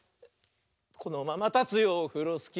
「このままたつよオフロスキー」